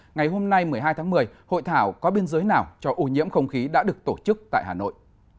ngày hôm nay một mươi hai tháng một mươi hội thảo có biên giới nào cho ô nhiễm không khí đã được tổ chức tại hà nội